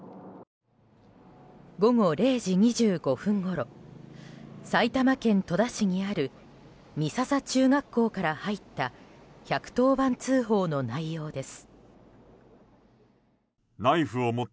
午後０時２５分ごろ埼玉県戸田市にある美笹中学校から入った１１０番通報の内容です。